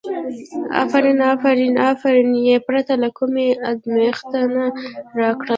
افرین افرین، افرین یې پرته له کوم ازمېښته راکړه.